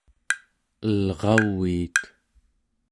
elraviit